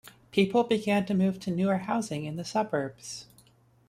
People began to move to newer housing in the suburbs.